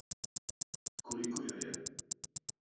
Колико јој је?